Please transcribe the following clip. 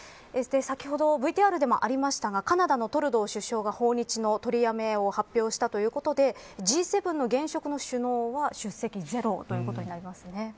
先ほどＶＴＲでもありましたがカナダのトルドー首相が訪日の取りやめを発表したということでＧ７の現職の首脳は出席ゼロということになります。